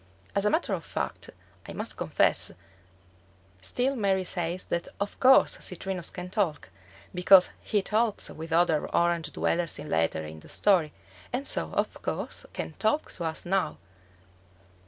As a matter of fact I must confess still Mary says that of course Citrinus can talk, because he talks with other Orange dwellers later in the story, and so of course can talk to us now.